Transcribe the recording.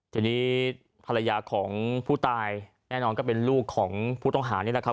ทีนี้ภรรยาของผู้ตายแน่นอนก็เป็นลูกของผู้ต้องหานี่แหละครับ